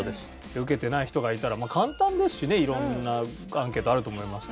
受けてない人がいたら簡単ですしねいろんなアンケートあると思いますけど。